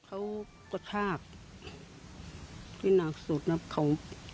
เขาก็ชาบที่หนักสุดนะครับ